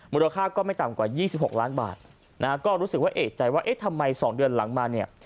มูลค่าก็ไม่ต่ำกว่า๒๖ล้านบาทนะฮะก็รู้สึกว่าเอกใจว่าเอ๊ะทำไม๒เดือนหลังมาเนี่ย